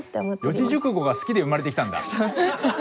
四字熟語が好きで生まれてきたんだ！